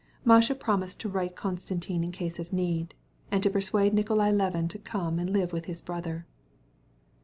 Masha promised to write to Konstantin in case of need, and to persuade Nikolay Levin to go and stay with his brother.